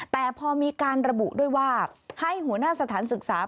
แต่พอมีการระบุด้วยว่าให้หัวหน้าสถานศึกษา